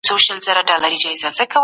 بې له قدرته به د پرېکړو پلي کول سوني وي.